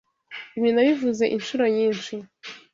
Ibi nabivuze inshuro nyinshi.